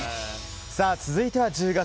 続いては１０月。